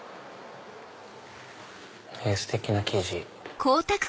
ステキな生地。